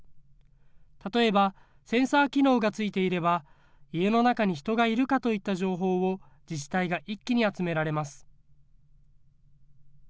例えばセンサー機能がついていれば、家の中に人がいるかといった情報を自治体が一気に集められます。